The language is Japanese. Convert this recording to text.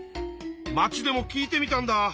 まちでも聞いてみたんだ。